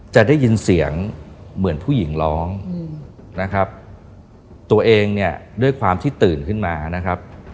จะได้ยินเสียงเหมือนผู้หญิงร้องนะครับตัวเองเนี่ยด้วยความที่ตื่นขึ้นมานะครับ